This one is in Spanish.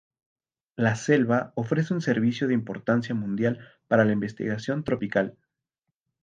La Selva ofrece un servicio de importancia mundial para la investigación tropical.